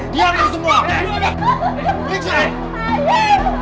diam lu semua